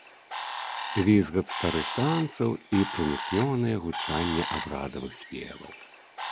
Візгат старых танцаў і пранікнёнае гучанне абрадавых спеваў.